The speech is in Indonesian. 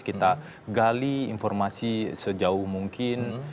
kita gali informasi sejauh mungkin